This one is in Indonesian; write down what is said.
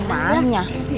enggak di rumahnya